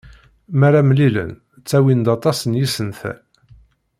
Mi ara mlilen ttawin-d aṭas n yisental.